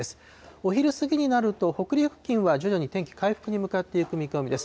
お昼過ぎになると、北陸付近は徐々に天気、回復に向かっていく見込みです。